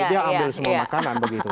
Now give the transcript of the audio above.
dia ambil semua makanan begitu